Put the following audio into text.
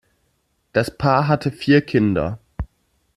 Das Paar hatte vier Kinder.